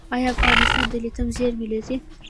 آیا افغانستان د لیتیم زیرمې لري؟